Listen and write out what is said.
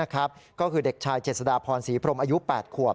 ก็คือเด็กชายเจษฎาพรศรีพรมอายุ๘ขวบ